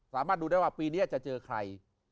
สามารถดูได้ว่าปีนี้จะเจอใคร